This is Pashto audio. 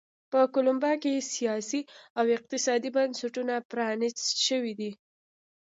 په کولمبیا کې سیاسي او اقتصادي بنسټونه پرانیست شوي دي.